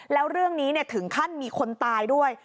แล้วเรื่องนี้ถึงขั้นมีคนตายด้วย